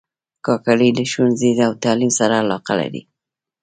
کاکړي له ښوونځي او تعلیم سره علاقه لري.